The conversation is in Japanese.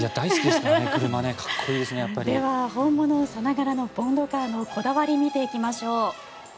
では本物さながらのボンドカーのこだわりを見ていきましょう。